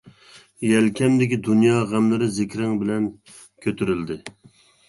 يەلكەمدىكى دۇنيا غەملىرى زىكرىڭ بىلەن كۆتۈرۈلدى.